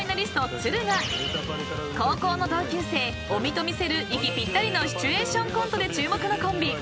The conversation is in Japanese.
都留が高校の同級生尾身と見せる息ぴったりのシチュエーションコントで注目のコンビ］